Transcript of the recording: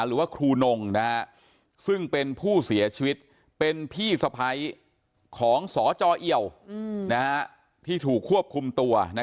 หรือว่าครูนงนะฮะซึ่งเป็นผู้เสียชีวิต